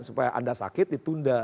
supaya anda sakit ditunda